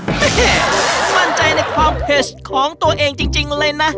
แม่มั่นใจในความเผ็ดของตัวเองจริงเลยนะ